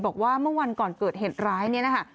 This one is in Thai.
บอกว่าเมื่อวันก่อนเกิดเหตุร้ายเนี่ยนะคะ